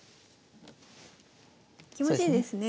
気持ちいいですね。